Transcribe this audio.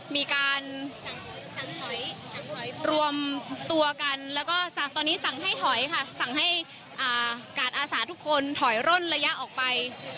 มีการรวมตัวกันแล้วก็ตอนนี้สั่งให้ถอยค่ะสั่งให้กาดอาสาทุกคนถอยร่นระยะออกไป